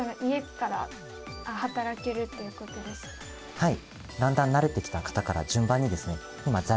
はい。